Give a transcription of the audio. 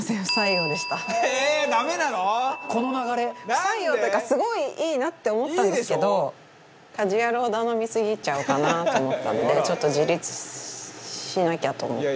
不採用っていうかすごいいいなって思ったんですけど『家事ヤロウ！！！』頼みすぎちゃうかなと思ったのでちょっと自立しなきゃと思って。